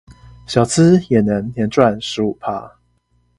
小資也能年賺十五趴